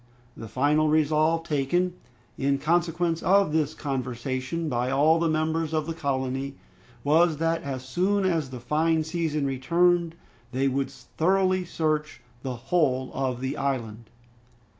The final resolve taken, in consequence of this conversation, by all the members of the colony, was that as soon as the fine season returned they would thoroughly search the whole of the island.